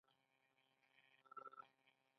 لغمان ولې د سبزیجاتو لپاره ښه دی؟